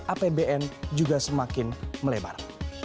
apbn juga semakin melebar